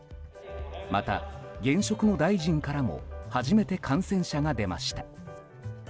また、現職の大臣からも初めて感染者が出ました。